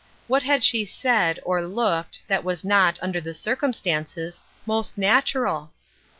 What had she said, or looked, that was not, under the circumstances, most natural